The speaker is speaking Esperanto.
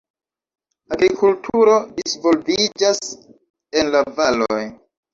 Agrikulturo disvolviĝas en la valoj.